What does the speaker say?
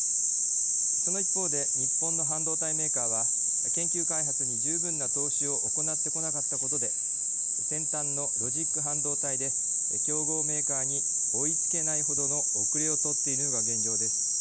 その一方で日本の半導体メーカーは研究開発に十分な投資を行ってこなかったことで先端のロジック半導体で競合メーカーに追いつけないほどのおくれをとっているのが現状です。